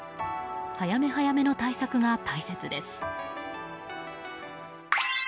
早め早めの対策が大切です。